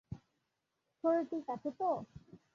শরীর ঠিক আছে তো?